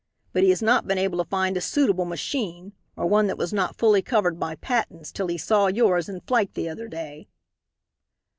But he has not been able to find a suitable machine, or one that was not fully covered by patents till he saw yours in flight the other day."